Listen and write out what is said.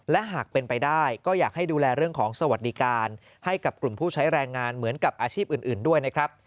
และหากเป็นไปได้ก็อยากให้ดูแลเรื่องของสวัสดิการให้กับกลุ่มผู้ใช้แรงงานเหมือนกับอาชีพอื่นด้วยนะครับ